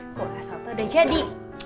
kok rasa waktu udah jadi